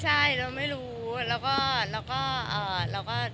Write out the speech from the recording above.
ใช่ใช่แล้วไม่รู้แล้วก็แล้วก็เอ่อแล้วก็